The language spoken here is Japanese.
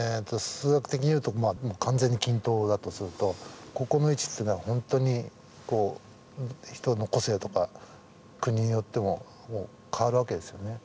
数学的に言うと完全に均等だとするとここの位置っていうのは本当にこう人の個性とか国によっても変わるわけですよね。